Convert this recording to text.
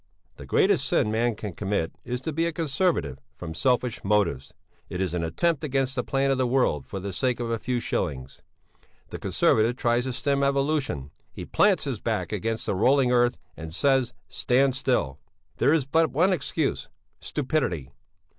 "'The greatest sin man can commit is to be a Conservative from selfish motives. It is an attempt against the plan of the world for the sake of a few shillings; the Conservative tries to stem evolution; he plants his back against the rolling earth and says: "Stand still!" There is but one excuse: stupidity.